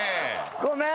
ごめん！